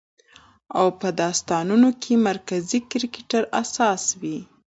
او په داستانونو کې مرکزي کرکټر اساس وي